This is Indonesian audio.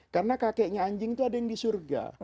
karena kakeknya anjing itu ada yang di surga